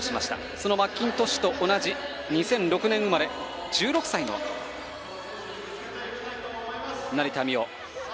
そのマッキントッシュと同じ２００６年生まれ１６歳の成田実生。